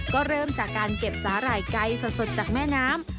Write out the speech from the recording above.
ก็เริ่มจากการเก็บสาหร่ายไก่สดจากแม่น้ำ